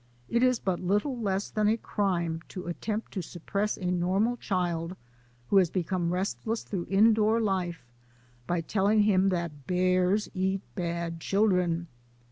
It is but little less than a crime to attempt to sup press a normal child who has become restless through indoor life by telling him that bears eat bad children.